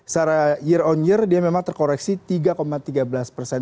secara year on year dia memang terkoreksi tiga tiga belas persen